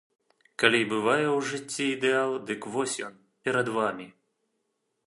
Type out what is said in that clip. Калі і бывае ў жыцці ідэал, дык вось ён, перад вамі.